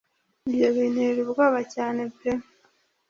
Ibyo bintera ubwoba cyane pe?